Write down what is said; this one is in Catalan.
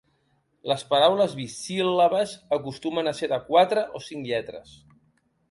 Les paraules bisíl·labes acostumen a ser de quatre o cinc lletres.